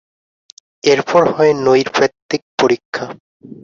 এরপর হয় নৈর্ব্যক্তিক পরীক্ষা।